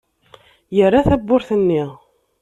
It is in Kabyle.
Yerra tawwurt-nni.